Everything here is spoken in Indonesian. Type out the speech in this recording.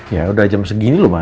ya udah jam segini mak